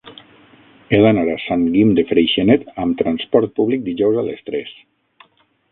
He d'anar a Sant Guim de Freixenet amb trasport públic dijous a les tres.